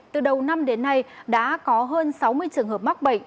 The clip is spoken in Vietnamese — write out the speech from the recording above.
từ đầu năm đến nay đã có hơn sáu mươi trường hợp mắc bệnh